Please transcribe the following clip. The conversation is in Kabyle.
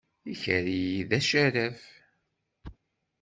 Ikerri d acaraf.